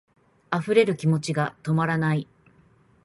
溢れる気持ちが止まらない